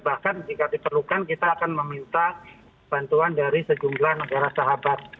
bahkan jika diperlukan kita akan meminta bantuan dari sejumlah negara sahabat